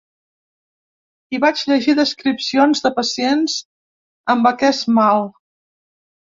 Hi vaig llegir descripcions de pacients amb aquest mal.